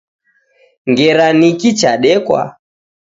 Ngera niki chadekwa.